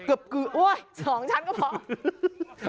เกือบกึโอ้ย๒ชั้นก็พอ